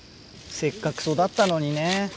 せっかく育ったのにね。